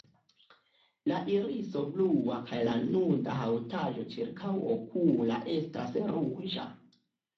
La iriso blua kaj la nuda haŭtaĵo ĉirkaŭokula estas ruĝa.